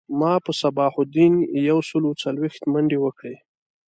ما په صباح الدین یو سل او څلویښت منډی وکړی